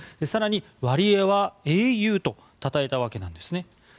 更にワリエワは英雄とたたえたわけなんですね。